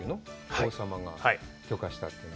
王様が許可したという。